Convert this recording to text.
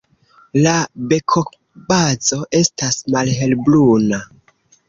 La bekobazo estas malhelbruna.